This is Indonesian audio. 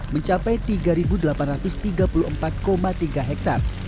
mencapai tiga delapan ratus tiga puluh empat tiga hektare